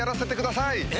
え？